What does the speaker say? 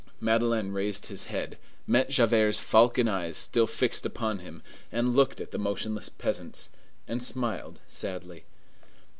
Madeleine raised his head, met Javert's falcon eye still fixed upon him, looked at the motionless peasants, and smiled sadly.